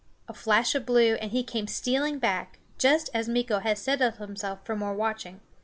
A flash of blue, and he came stealing back, just as Meeko had settled himself for more watching.